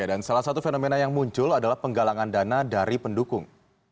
dan salah satu fenomena yang muncul adalah penggalangan dana dari pendukung